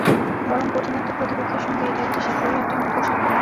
বরং কঠিন একটা প্রতিপক্ষের সঙ্গে এটা একটা সাফল্য, একটা মধুর সাফল্য।